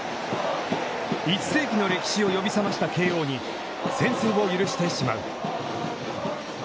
一世紀の歴史を呼び覚ました慶応に先制を許してしまう。